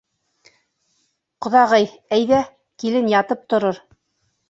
— Ҡоҙағый, әйҙә, килен ятып торор.